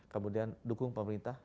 kemudian dukung pemerintah